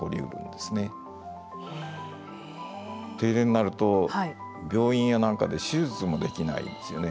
停電になると病院やなんかで手術もできないですよね。